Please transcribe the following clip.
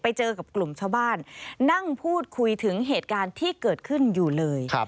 ไปเจอกับกลุ่มชาวบ้านนั่งพูดคุยถึงเหตุการณ์ที่เกิดขึ้นอยู่เลย